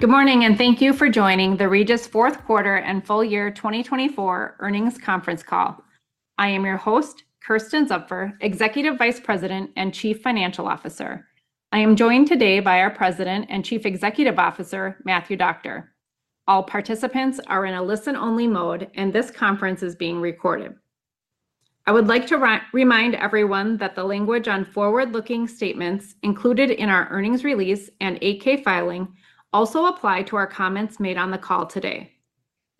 Good morning, and thank you for joining the Regis fourth quarter and full year 2024 earnings conference call. I am your host, Kersten Zupfer, Executive Vice President and Chief Financial Officer. I am joined today by our President and Chief Executive Officer, Matthew Doctor. All participants are in a listen-only mode, and this conference is being recorded. I would like to re-remind everyone that the language on forward-looking statements included in our earnings release and 8-K filing also apply to our comments made on the call today.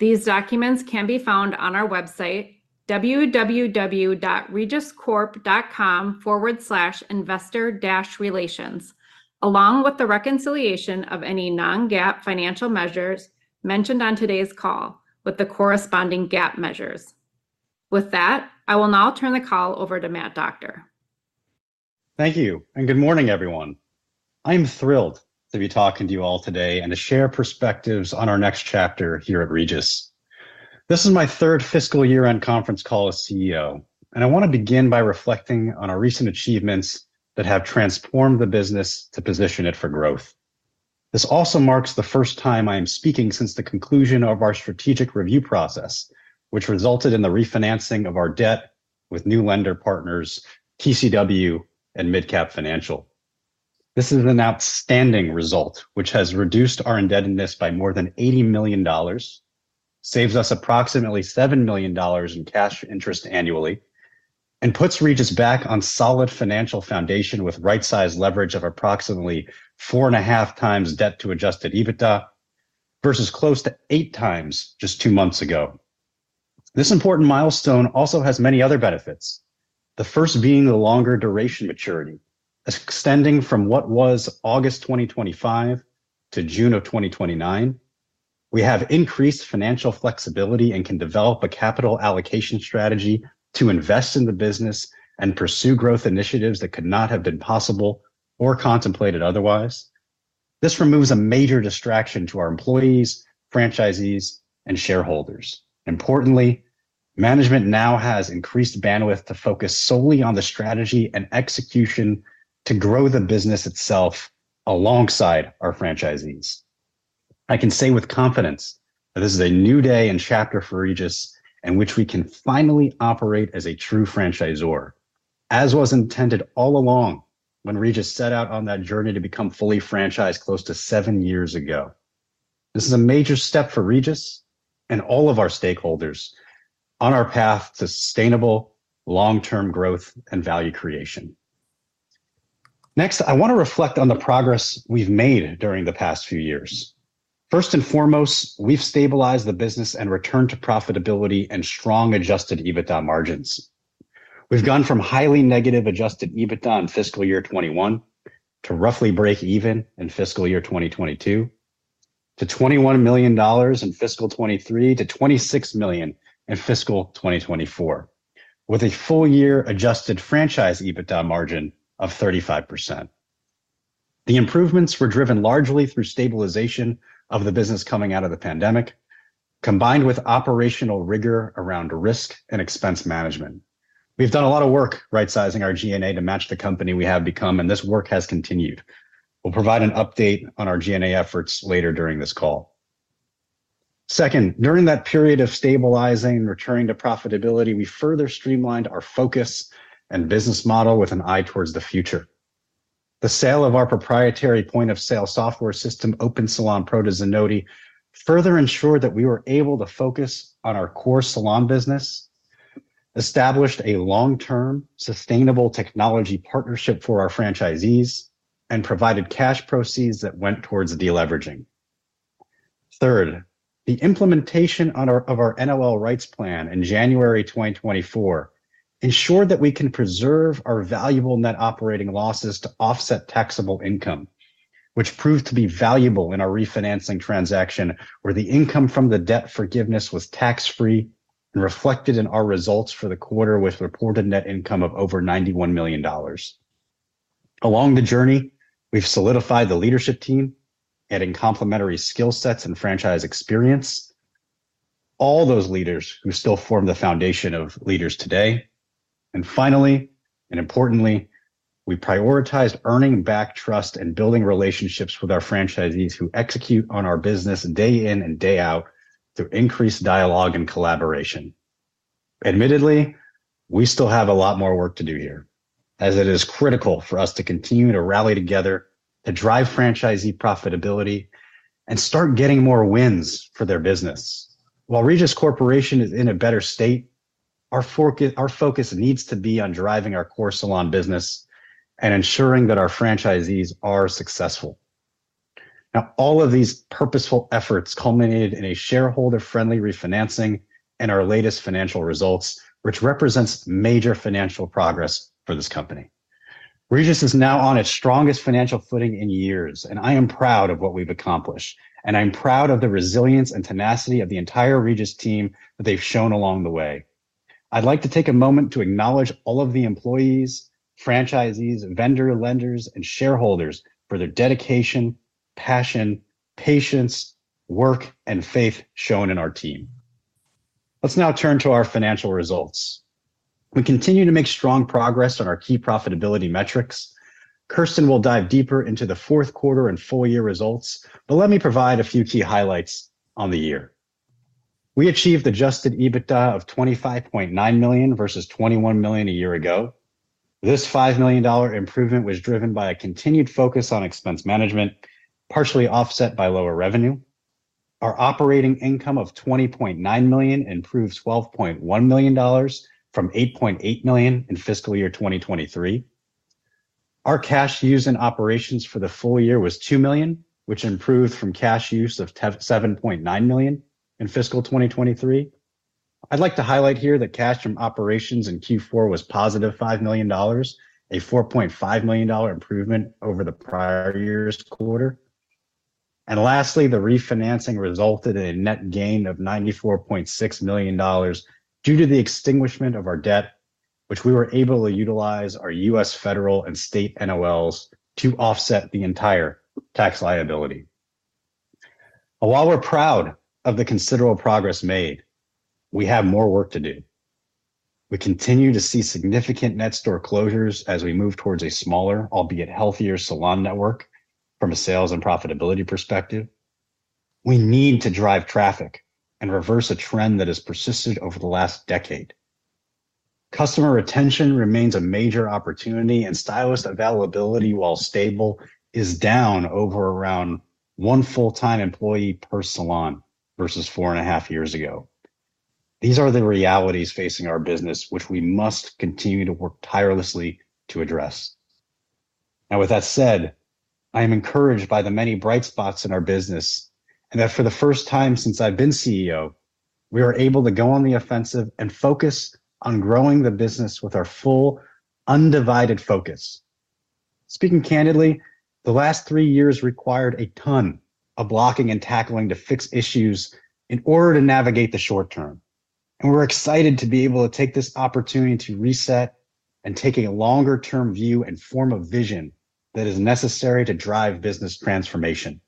These documents can be found on our website, www.regiscorp.com/investor-relations, along with the reconciliation of any non-GAAP financial measures mentioned on today's call with the corresponding GAAP measures. With that, I will now turn the call over to Matt Doctor. Thank you, and good morning, everyone. I'm thrilled to be talking to you all today and to share perspectives on our next chapter here at Regis. This is my third fiscal year-end conference call as CEO, and I want to begin by reflecting on our recent achievements that have transformed the business to position it for growth. This also marks the first time I am speaking since the conclusion of our strategic review process, which resulted in the refinancing of our debt with new lender partners, TCW and MidCap Financial. This is an outstanding result, which has reduced our indebtedness by more than $80 million, saves us approximately $7 million in cash interest annually, and puts Regis back on solid financial foundation with right-sized leverage of approximately 4.5x debt to adjusted EBITDA, versus close to eight times just two months ago. This important milestone also has many other benefits, the first being the longer duration maturity, extending from what was August 2025 to June 2029. We have increased financial flexibility and can develop a capital allocation strategy to invest in the business and pursue growth initiatives that could not have been possible or contemplated otherwise. This removes a major distraction to our employees, franchisees, and shareholders. Importantly, management now has increased bandwidth to focus solely on the strategy and execution to grow the business itself alongside our franchisees. I can say with confidence that this is a new day and chapter for Regis in which we can finally operate as a true franchisor, as was intended all along when Regis set out on that journey to become fully franchised close to seven years ago. This is a major step for Regis and all of our stakeholders on our path to sustainable, long-term growth and value creation. Next, I want to reflect on the progress we've made during the past few years. First and foremost, we've stabilized the business and returned to profitability and strong adjusted EBITDA margins. We've gone from highly negative adjusted EBITDA in fiscal year 2021 to roughly break even in fiscal year 2022, to $21 million in fiscal year 2023 to $26 million in fiscal year 2024, with a full-year adjusted franchise EBITDA margin of 35%. The improvements were driven largely through stabilization of the business coming out of the pandemic, combined with operational rigor around risk and expense management. We've done a lot of work right-sizing our G&A to match the company we have become, and this work has continued. We'll provide an update on our G&A efforts later during this call. Second, during that period of stabilizing and returning to profitability, we further streamlined our focus and business model with an eye towards the future. The sale of our proprietary point of sale software system, Open Salon Pro, to Zenoti, further ensured that we were able to focus on our core salon business, established a long-term, sustainable technology partnership for our franchisees, and provided cash proceeds that went towards deleveraging. Third, the implementation of our NOL rights plan in January 2024 ensured that we can preserve our valuable net operating losses to offset taxable income, which proved to be valuable in our refinancing transaction, where the income from the debt forgiveness was tax-free and reflected in our results for the quarter with reported net income of over $91 million. Along the journey, we've solidified the leadership team, adding complementary skill sets and franchise experience. All those leaders who still form the foundation of leaders today. And finally, and importantly, we prioritize earning back trust and building relationships with our franchisees who execute on our business day in and day out through increased dialogue and collaboration. Admittedly, we still have a lot more work to do here, as it is critical for us to continue to rally together to drive franchisee profitability and start getting more wins for their business. While Regis Corporation is in a better state, our focus needs to be on driving our core salon business and ensuring that our franchisees are successful. Now, all of these purposeful efforts culminated in a shareholder-friendly refinancing and our latest financial results, which represents major financial progress for this company. Regis is now on its strongest financial footing in years, and I am proud of what we've accomplished, and I'm proud of the resilience and tenacity of the entire Regis team that they've shown along the way. I'd like to take a moment to acknowledge all of the employees, franchisees, vendors, lenders, and shareholders for their dedication, passion, patience, work, and faith shown in our team.... Let's now turn to our financial results. We continue to make strong progress on our key profitability metrics. Kersten will dive deeper into the fourth quarter and full year results, but let me provide a few key highlights on the year. We achieved Adjusted EBITDA of $25.9 million versus $21 million a year ago. This $5 million improvement was driven by a continued focus on expense management, partially offset by lower revenue. Our operating income of $20.9 million improved $12.1 million from $8.8 million in fiscal year 2023. Our cash used in operations for the full year was $2 million, which improved from cash use of negative $7.9 million in fiscal year 2023. I'd like to highlight here that cash from operations in Q4 was positive $5 million, a $4.5 million improvement over the prior year's quarter. And lastly, the refinancing resulted in a net gain of $94.6 million due to the extinguishment of our debt, which we were able to utilize our U.S. federal and state NOLs to offset the entire tax liability. While we're proud of the considerable progress made, we have more work to do. We continue to see significant net store closures as we move towards a smaller, albeit healthier, salon network from a sales and profitability perspective. We need to drive traffic and reverse a trend that has persisted over the last decade. Customer retention remains a major opportunity, and stylist availability, while stable, is down over around one full-time employee per salon versus four and a half years ago. These are the realities facing our business, which we must continue to work tirelessly to address. Now, with that said, I am encouraged by the many bright spots in our business, and that for the first time since I've been CEO, we are able to go on the offensive and focus on growing the business with our full, undivided focus. Speaking candidly, the last three years required a ton of blocking and tackling to fix issues in order to navigate the short term, and we're excited to be able to take this opportunity to reset and take a longer-term view and form a vision that is necessary to drive business transformation.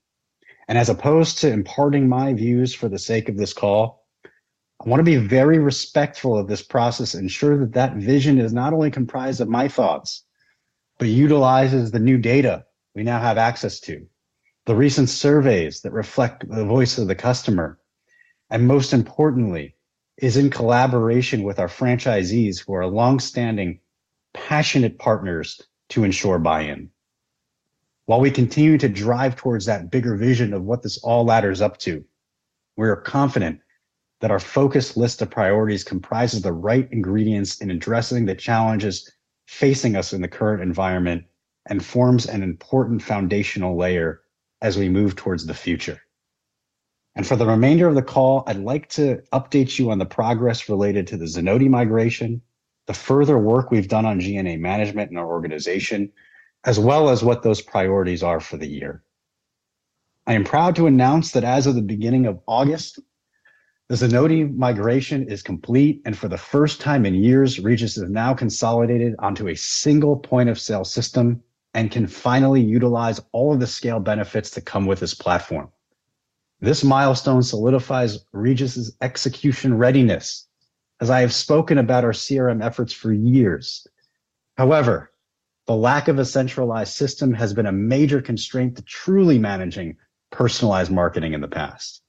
And as opposed to imparting my views for the sake of this call, I want to be very respectful of this process and ensure that that vision is not only comprised of my thoughts, but utilizes the new data we now have access to, the recent surveys that reflect the voice of the customer, and most importantly, is in collaboration with our franchisees, who are longstanding, passionate partners to ensure buy-in. While we continue to drive towards that bigger vision of what this all ladders up to, we are confident that our focused list of priorities comprises the right ingredients in addressing the challenges facing us in the current environment and forms an important foundational layer as we move towards the future. And for the remainder of the call, I'd like to update you on the progress related to the Zenoti migration, the further work we've done on G&A management in our organization, as well as what those priorities are for the year. I am proud to announce that as of the beginning of August, the Zenoti migration is complete, and for the first time in years, Regis is now consolidated onto a single point-of-sale system and can finally utilize all of the scale benefits that come with this platform. This milestone solidifies Regis's execution readiness, as I have spoken about our CRM efforts for years. However, the lack of a centralized system has been a major constraint to truly managing personalized marketing in the past,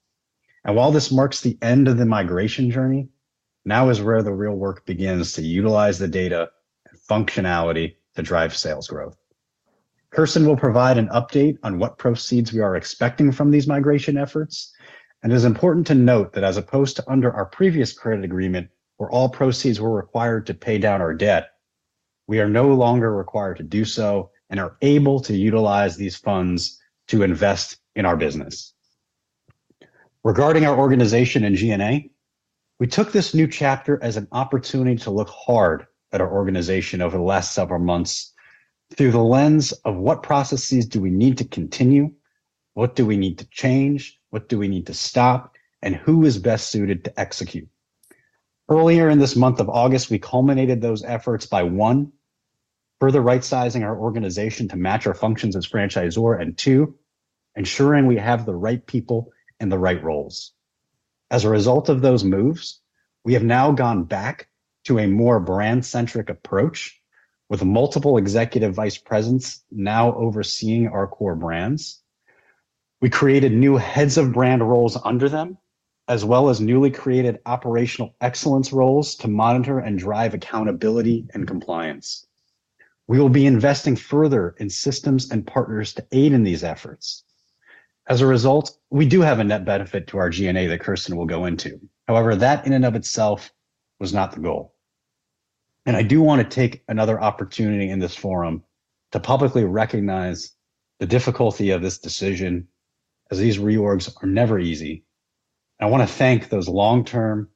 and while this marks the end of the migration journey, now is where the real work begins to utilize the data and functionality to drive sales growth. Kersten will provide an update on what proceeds we are expecting from these migration efforts, and it is important to note that as opposed to under our previous credit agreement, where all proceeds were required to pay down our debt, we are no longer required to do so and are able to utilize these funds to invest in our business. Regarding our organization in G&A, we took this new chapter as an opportunity to look hard at our organization over the last several months through the lens of: what processes do we need to continue? What do we need to change? What do we need to stop, and who is best suited to execute? Earlier in this month of August, we culminated those efforts by, one, further right-sizing our organization to match our functions as franchisor, and two, ensuring we have the right people in the right roles. As a result of those moves, we have now gone back to a more brand-centric approach, with multiple executive vice presidents now overseeing our core brands. We created new heads of brand roles under them, as well as newly created operational excellence roles to monitor and drive accountability and compliance. We will be investing further in systems and partners to aid in these efforts. As a result, we do have a net benefit to our G&A that Kersten will go into. However, that in and of itself was not the goal, and I do want to take another opportunity in this forum to publicly recognize the difficulty of this decision, as these reorgs are never easy. I want to thank those long-term,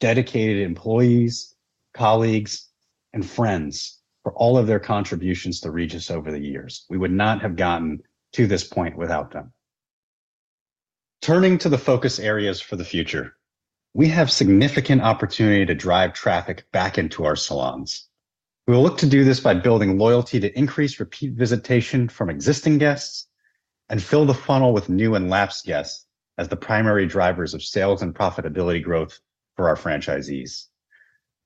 dedicated employees, colleagues, and friends for all of their contributions to Regis over the years. We would not have gotten to this point without them. Turning to the focus areas for the future, we have significant opportunity to drive traffic back into our salons. We will look to do this by building loyalty to increase repeat visitation from existing guests...... and fill the funnel with new and lapsed guests as the primary drivers of sales and profitability growth for our franchisees.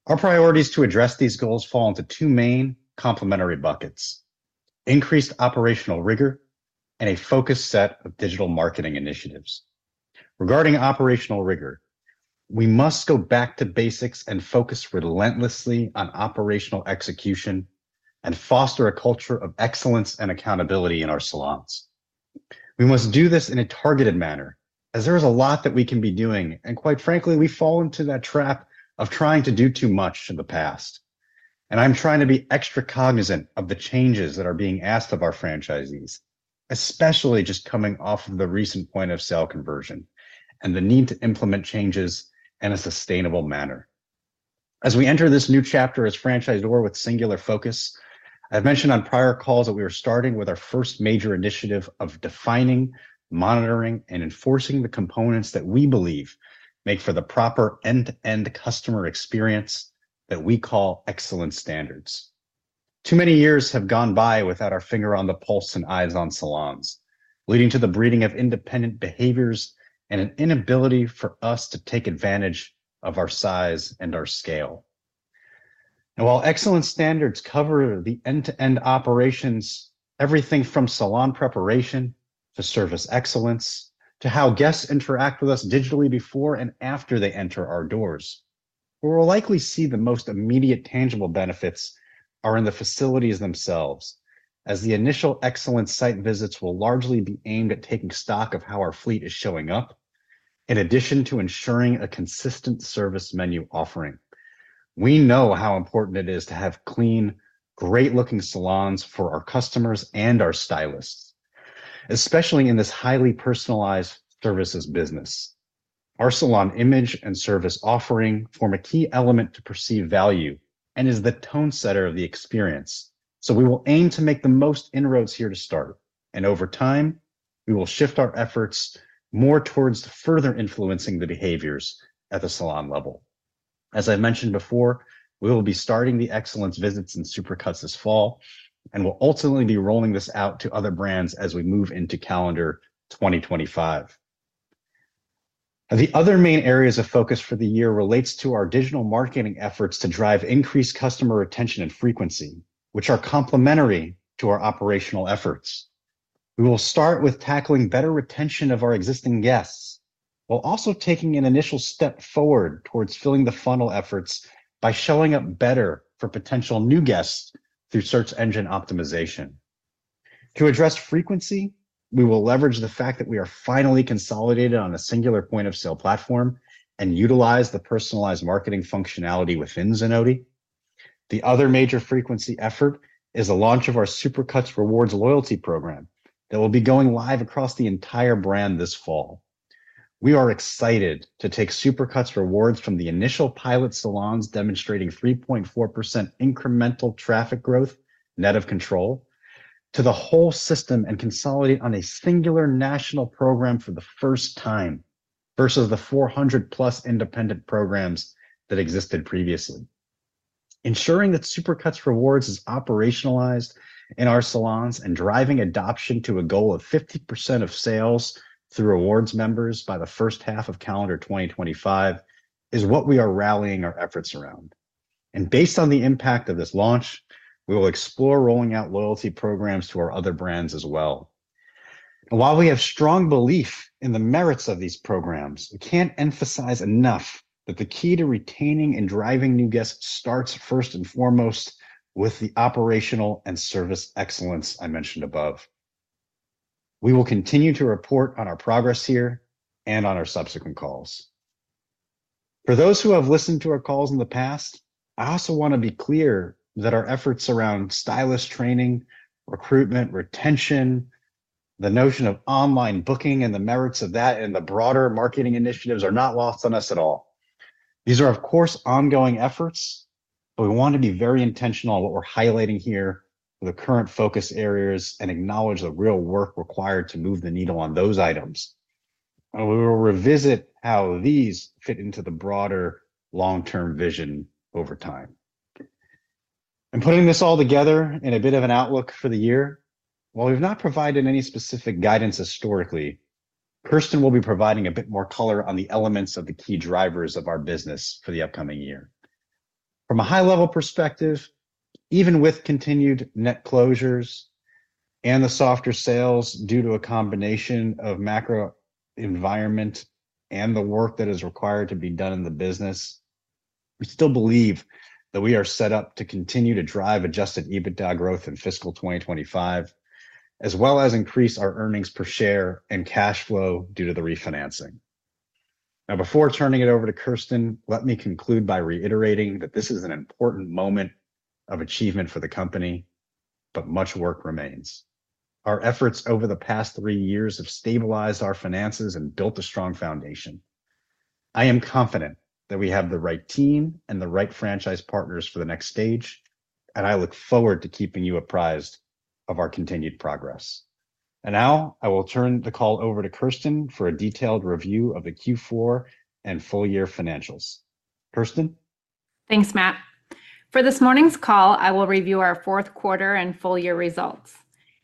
Our priorities to address these goals fall into two main complementary buckets: increased operational rigor and a focused set of digital marketing initiatives. Regarding operational rigor, we must go back to basics and focus relentlessly on operational execution and foster a culture of excellence and accountability in our salons. We must do this in a targeted manner, as there is a lot that we can be doing, and quite frankly, we've fallen into that trap of trying to do too much in the past. And I'm trying to be extra cognizant of the changes that are being asked of our franchisees, especially just coming off of the recent point of sale conversion and the need to implement changes in a sustainable manner. As we enter this new chapter as franchisor with singular focus, I've mentioned on prior calls that we are starting with our first major initiative of defining, monitoring, and enforcing the components that we believe make for the proper end-to-end customer experience that we call excellence standards. Too many years have gone by without our finger on the pulse and eyes on salons, leading to the breeding of independent behaviors and an inability for us to take advantage of our size and our scale. Now, while excellence standards cover the end-to-end operations, everything from salon preparation to service excellence, to how guests interact with us digitally before and after they enter our doors, where we'll likely see the most immediate, tangible benefits are in the facilities themselves, as the initial excellence site visits will largely be aimed at taking stock of how our fleet is showing up, in addition to ensuring a consistent service menu offering. We know how important it is to have clean, great-looking salons for our customers and our stylists, especially in this highly personalized services business. Our salon image and service offering form a key element to perceived value and is the tone setter of the experience, so we will aim to make the most inroads here to start, and over time, we will shift our efforts more towards further influencing the behaviors at the salon level. As I mentioned before, we will be starting the excellence visits in Supercuts this fall, and we'll ultimately be rolling this out to other brands as we move into calendar 2025. The other main areas of focus for the year relates to our digital marketing efforts to drive increased customer retention and frequency, which are complementary to our operational efforts. We will start with tackling better retention of our existing guests, while also taking an initial step forward towards filling the funnel efforts by showing up better for potential new guests through search engine optimization. To address frequency, we will leverage the fact that we are finally consolidated on a singular point-of-sale platform and utilize the personalized marketing functionality within Zenoti. The other major frequency effort is the launch of our Supercuts Rewards loyalty program that will be going live across the entire brand this fall. We are excited to take Supercuts Rewards from the initial pilot salons, demonstrating 3.4% incremental traffic growth, net of control, to the whole system and consolidate on a singular national program for the first time, versus the 400+ independent programs that existed previously. Ensuring that Supercuts Rewards is operationalized in our salons and driving adoption to a goal of 50% of sales through Rewards members by the first half of calendar 2025 is what we are rallying our efforts around. Based on the impact of this launch, we will explore rolling out loyalty programs to our other brands as well. While we have strong belief in the merits of these programs, we can't emphasize enough that the key to retaining and driving new guests starts first and foremost with the operational and service excellence I mentioned above. We will continue to report on our progress here and on our subsequent calls. For those who have listened to our calls in the past, I also want to be clear that our efforts around stylist training, recruitment, retention, the notion of online booking, and the merits of that and the broader marketing initiatives are not lost on us at all. These are, of course, ongoing efforts, but we want to be very intentional what we're highlighting here, the current focus areas, and acknowledge the real work required to move the needle on those items, and we will revisit how these fit into the broader long-term vision over time. And putting this all together in a bit of an outlook for the year, while we've not provided any specific guidance historically, Kersten will be providing a bit more color on the elements of the key drivers of our business for the upcoming year. From a high level perspective, even with continued net closures and the softer sales due to a combination of macro environment and the work that is required to be done in the business, we still believe that we are set up to continue to drive Adjusted EBITDA growth in fiscal 2025, as well as increase our earnings per share and cash flow due to the refinancing. Now, before turning it over to Kersten, let me conclude by reiterating that this is an important moment of achievement for the company, but much work remains. Our efforts over the past three years have stabilized our finances and built a strong foundation. I am confident that we have the right team and the right franchise partners for the next stage, and I look forward to keeping you apprised of our continued progress. And now, I will turn the call over to Kersten for a detailed review of the Q4 and full year financials. Kersten? Thanks, Matt. For this morning's call, I will review our fourth quarter and full year results.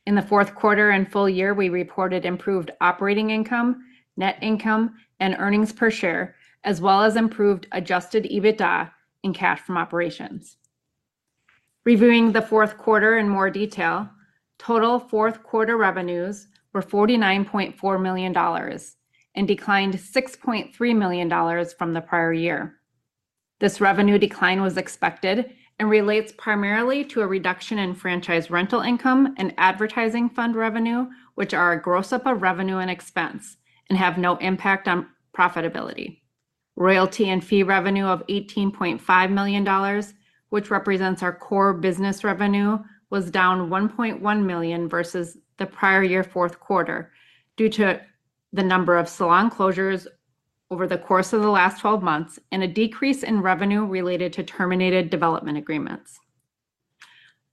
In the fourth quarter and full year, we reported improved operating income, net income, and earnings per share, as well as improved Adjusted EBITDA and cash from operations. Reviewing the fourth quarter in more detail, total fourth quarter revenues were $49.4 million and declined $6.3 million from the prior year. This revenue decline was expected and relates primarily to a reduction in franchise rental income and advertising fund revenue, which are a gross up of revenue and expense and have no impact on profitability. Royalty and fee revenue of $18.5 million, which represents our core business revenue, was down $1.1 million versus the prior year fourth quarter, due to the number of salon closures over the course of the last twelve months and a decrease in revenue related to terminated development agreements.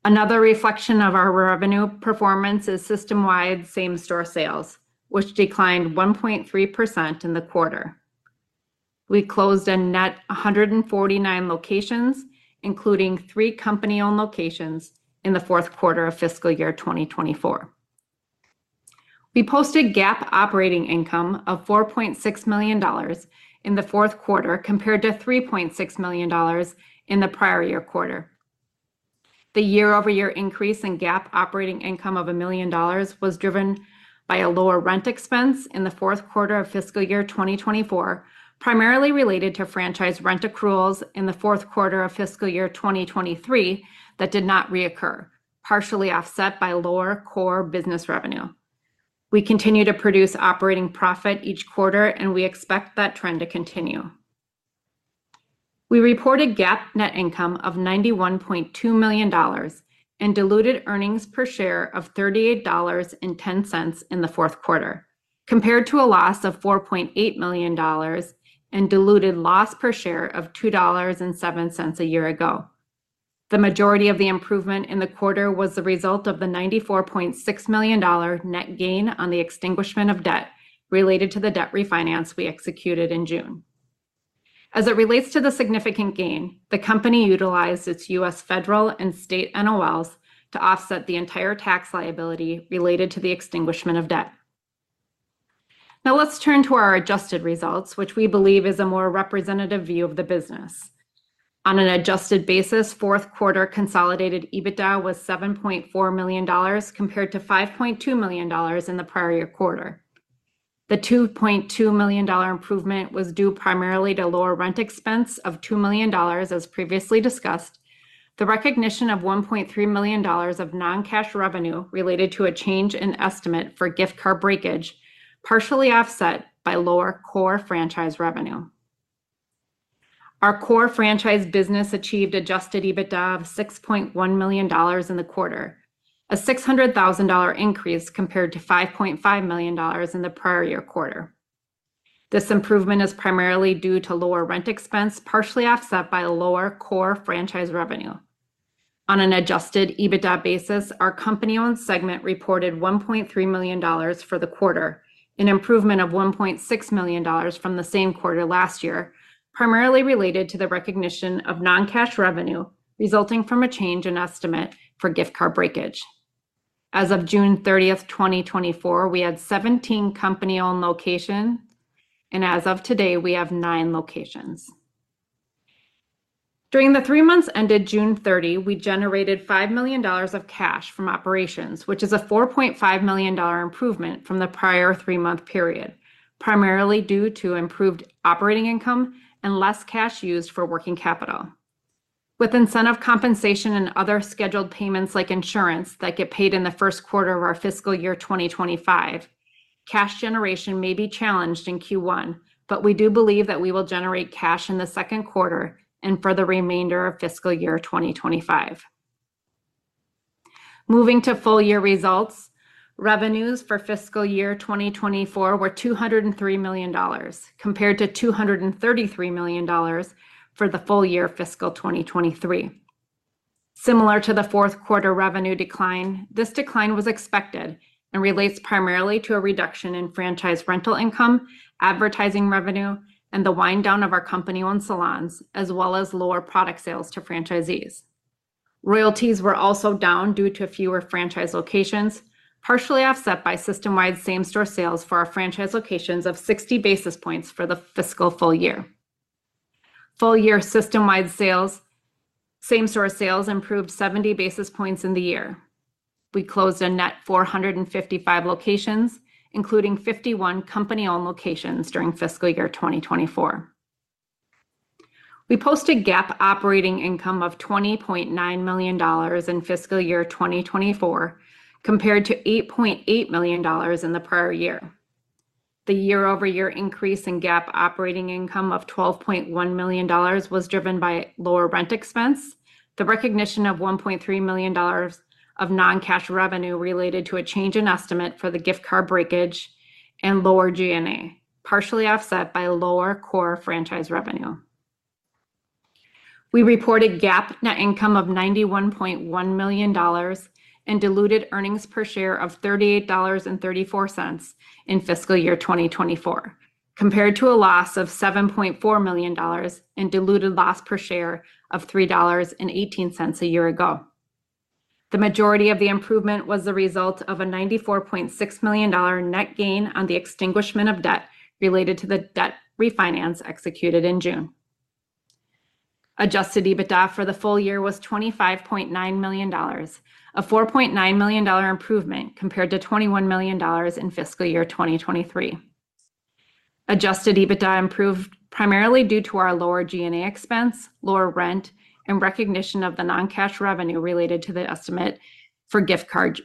Another reflection of our revenue performance is system-wide same-store sales, which declined 1.3% in the quarter. We closed a net 149 locations, including three company-owned locations, in the fourth quarter of fiscal year 2024. We posted GAAP operating income of $4.6 million in the fourth quarter, compared to $3.6 million in the prior year quarter. The year-over-year increase in GAAP operating income of $1 million was driven by a lower rent expense in the fourth quarter of fiscal year 2024, primarily related to franchise rent accruals in the fourth quarter of fiscal year 2023 that did not reoccur, partially offset by lower core business revenue. We continue to produce operating profit each quarter, and we expect that trend to continue. We reported GAAP net income of $91.2 million and diluted earnings per share of $38.10 in the fourth quarter, compared to a loss of $4.8 million and diluted loss per share of $2.07 a year ago. The majority of the improvement in the quarter was the result of the $94.6 million net gain on the extinguishment of debt related to the debt refinance we executed in June. As it relates to the significant gain, the company utilized its U.S. federal and state NOLs to offset the entire tax liability related to the extinguishment of debt. Now, let's turn to our adjusted results, which we believe is a more representative view of the business. On an adjusted basis, fourth quarter consolidated EBITDA was $7.4 million, compared to $5.2 million in the prior year quarter. The $2.2 million improvement was due primarily to lower rent expense of $2 million, as previously discussed, the recognition of $1.3 million of non-cash revenue related to a change in estimate for gift card breakage, partially offset by lower core franchise revenue. Our core franchise business achieved Adjusted EBITDA of $6.1 million in the quarter, a $600,000 increase compared to $5.5 million in the prior year quarter. This improvement is primarily due to lower rent expense, partially offset by lower core franchise revenue. On an Adjusted EBITDA basis, our company-owned segment reported $1.3 million for the quarter, an improvement of $1.6 million from the same quarter last year, primarily related to the recognition of non-cash revenue resulting from a change in estimate for gift card breakage. As of June thirtieth, 2024, we had seventeen company-owned locations, and as of today, we have nine locations. During the three months ended June 30, we generated $5 million of cash from operations, which is a $4.5 million improvement from the prior three-month period, primarily due to improved operating income and less cash used for working capital. With incentive compensation and other scheduled payments, like insurance, that get paid in the first quarter of our fiscal year 2025, cash generation may be challenged in Q1, but we do believe that we will generate cash in the second quarter and for the remainder of fiscal year 2025. Moving to full year results, revenues for fiscal year 2024 were $203 million, compared to $233 million for the full year fiscal 2023. Similar to the fourth quarter revenue decline, this decline was expected and relates primarily to a reduction in franchise rental income, advertising revenue, and the wind down of our company-owned salons, as well as lower product sales to franchisees. Royalties were also down due to fewer franchise locations, partially offset by system-wide same-store sales for our franchise locations of 60 basis points for the fiscal full year. Full-year system-wide sales, same-store sales improved 70 basis points in the year. We closed a net 455 locations, including 51 company-owned locations, during fiscal year 2024. We posted GAAP operating income of $20.9 million in fiscal year 2024, compared to $8.8 million in the prior year. The year-over-year increase in GAAP operating income of $12.1 million was driven by lower rent expense, the recognition of $1.3 million of non-cash revenue related to a change in estimate for the gift card breakage and lower G&A, partially offset by lower core franchise revenue. We reported GAAP net income of $91.1 million and diluted earnings per share of $38.34 in fiscal year 2024, compared to a loss of $7.4 million and diluted loss per share of $3.18 a year ago. The majority of the improvement was the result of a $94.6 million net gain on the extinguishment of debt related to the debt refinance executed in June. Adjusted EBITDA for the full year was $25.9 million, a $4.9 million improvement compared to $21 million in fiscal year 2023. Adjusted EBITDA improved primarily due to our lower G&A expense, lower rent, and recognition of the non-cash revenue related to the estimate for gift card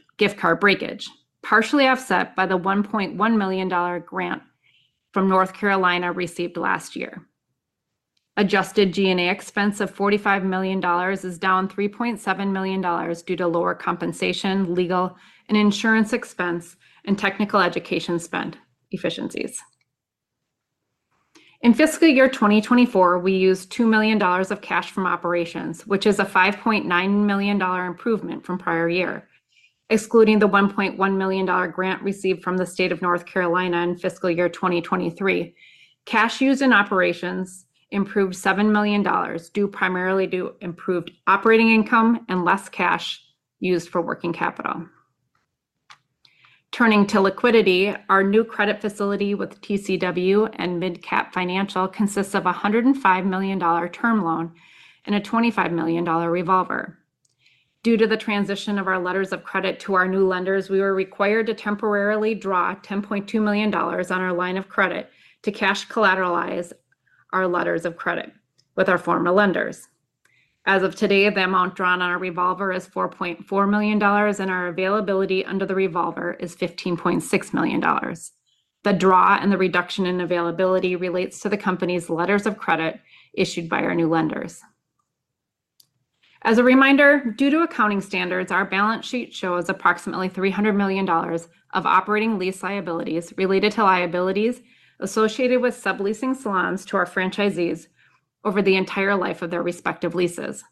breakage, partially offset by the $1.1 million grant from North Carolina received last year. Adjusted G&A expense of $45 million is down $3.7 million due to lower compensation, legal, and insurance expense, and technical education spend efficiencies. In fiscal year 2024, we used $2 million of cash from operations, which is a $5.9 million improvement from prior year. Excluding the $1.1 million grant received from the state of North Carolina in fiscal year 2023, cash used in operations improved $7 million, due primarily to improved operating income and less cash used for working capital. Turning to liquidity, our new credit facility with TCW and MidCap Financial consists of a $105 million term loan and a $25 million revolver. Due to the transition of our letters of credit to our new lenders, we were required to temporarily draw $10.2 million on our line of credit to cash collateralize our letters of credit with our former lenders. As of today, the amount drawn on our revolver is $4.4 million, and our availability under the revolver is $15.6 million. The draw and the reduction in availability relates to the company's letters of credit issued by our new lenders. As a reminder, due to accounting standards, our balance sheet shows approximately $300 million of operating lease liabilities related to liabilities associated with subleasing salons to our franchisees over the entire life of their respective leases.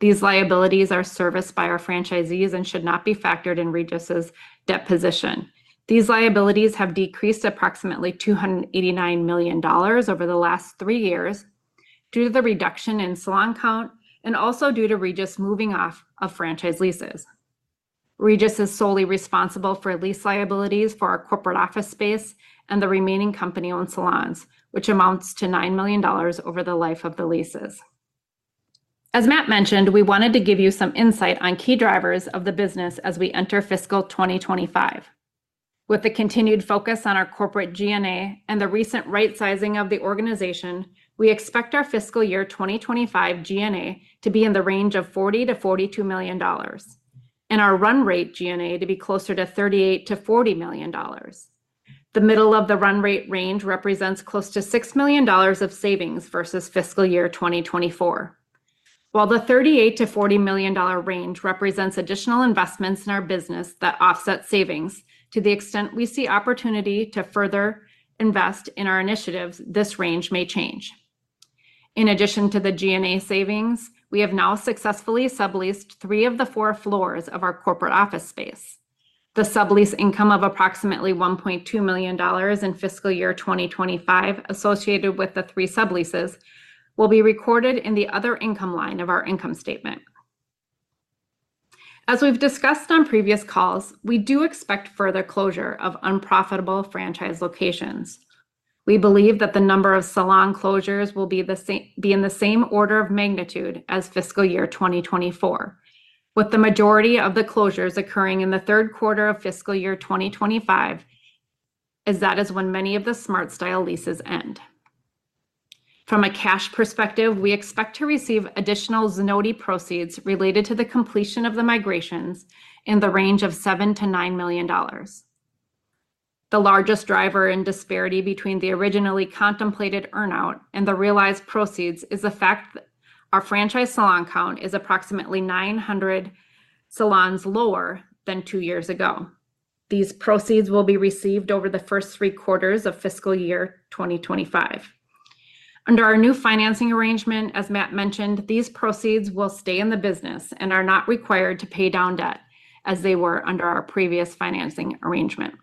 These liabilities are serviced by our franchisees and should not be factored in Regis's debt position. These liabilities have decreased approximately $289 million over the last three years due to the reduction in salon count and also due to Regis moving off of franchise leases. Regis is solely responsible for lease liabilities for our corporate office space and the remaining company-owned salons, which amounts to $9 million over the life of the leases. As Matt mentioned, we wanted to give you some insight on key drivers of the business as we enter fiscal 2025. With the continued focus on our corporate G&A and the recent right sizing of the organization, we expect our fiscal year 2025 G&A to be in the range of $40-$42 million, and our run rate G&A to be closer to $38-$40 million. The middle of the run rate range represents close to $6 million of savings versus fiscal year 2024. While the $38-$40 million range represents additional investments in our business that offset savings, to the extent we see opportunity to further invest in our initiatives, this range may change. In addition to the G&A savings, we have now successfully subleased three of the four floors of our corporate office space. The sublease income of approximately $1.2 million in fiscal year 2025 associated with the three subleases will be recorded in the other income line of our income statement. As we've discussed on previous calls, we do expect further closure of unprofitable franchise locations. We believe that the number of salon closures will be in the same order of magnitude as fiscal year 2024, with the majority of the closures occurring in the third quarter of fiscal year 2025, as that is when many of the SmartStyle leases end. From a cash perspective, we expect to receive additional Zenoti proceeds related to the completion of the migrations in the range of $7 million-$9 million. The largest driver in disparity between the originally contemplated earn-out and the realized proceeds is the fact that our franchise salon count is approximately nine hundred salons lower than two years ago. These proceeds will be received over the first three quarters of fiscal year 2025. Under our new financing arrangement, as Matt mentioned, these proceeds will stay in the business and are not required to pay down debt as they were under our previous financing arrangement.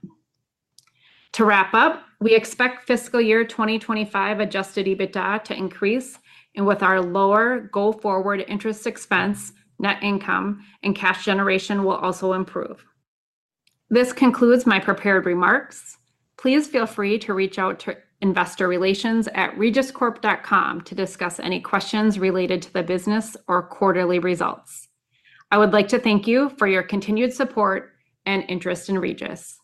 To wrap up, we expect fiscal year 2025 Adjusted EBITDA to increase, and with our lower go-forward interest expense, net income and cash generation will also improve. This concludes my prepared remarks. Please feel free to reach out to investorrelations@regiscorp.com to discuss any questions related to the business or quarterly results. I would like to thank you for your continued support and interest in Regis.